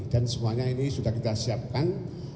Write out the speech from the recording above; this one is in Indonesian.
dan semuanya ini sudah kita siapkan